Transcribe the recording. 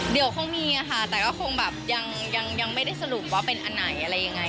เดี๋ยวคงมีค่ะแต่ก็คงแบบยังไม่ได้สรุปว่าเป็นอันไหนอะไรยังไง